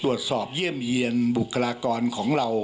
ตรวจสอบเยี่ยมเหยียนบุคลากรของเรา